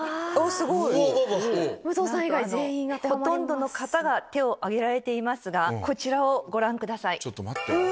すごい！ほとんどの方が手を挙げられていますがこちらをご覧ください。